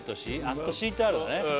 あそこ敷いてあるのね